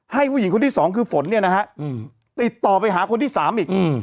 ผู้หญิงคนที่สองคือฝนเนี่ยนะฮะติดต่อไปหาคนที่สามอีก